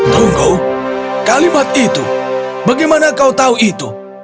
tunggu kalimat itu bagaimana kau tahu itu